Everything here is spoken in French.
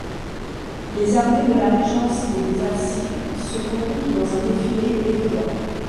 Les armées de la régence et des Hafsides, se rencontrent dans un défilé étroit.